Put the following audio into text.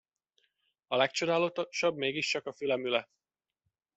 A legcsodálatosabb mégiscsak a fülemüle!